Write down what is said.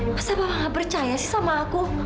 masa gak percaya sih sama aku